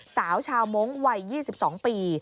สาวชาวมงค์วัย๒๒ปี